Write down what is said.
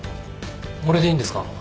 俺でいいんですか？